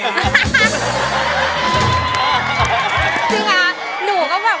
จริงอะหนูก็แบบว่าหลง